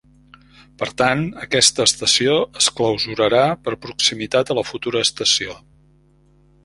Per tant, aquesta estació es clausurarà per proximitat a la futura estació.